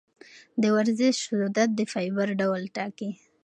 د ورزش شدت د فایبر ډول ټاکي.